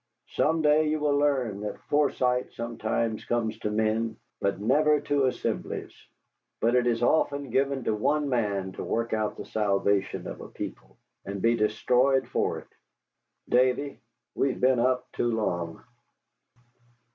"Some day you will learn that foresight sometimes comes to men, but never to assemblies. But it is often given to one man to work out the salvation of a people, and be destroyed for it. Davy, we have been up too long."